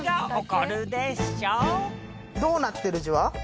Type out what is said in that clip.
どうなってるじわ？